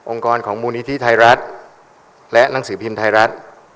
กรของมูลนิธิไทยรัฐและหนังสือพิมพ์ไทยรัฐ